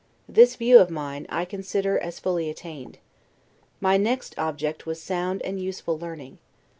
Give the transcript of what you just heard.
This view of mine, I consider as fully attained. My next object was sound and useful learning.